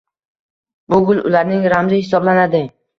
Bu gul ularning ramzi hisoblanadi.